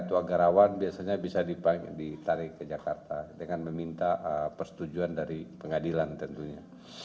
apapun dianggap di daerah itu agarawan biasanya bisa ditarik ke jakarta dengan meminta persetujuan dari pengadilan tentunya